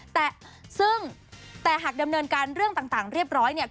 แต่หากดำเนินการเรื่องต่างเรียบร้อย